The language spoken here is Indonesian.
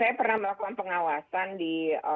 saya pernah melakukan pengawasan di